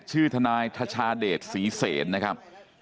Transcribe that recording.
ชื่อทนายทชาเดชศรีเสนนะครับ